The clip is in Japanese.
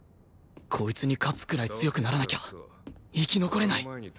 こいつに勝つくらい強くならなきゃ生き残れない！